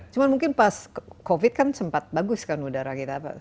cuma mungkin pas covid kan sempat bagus kan udara kita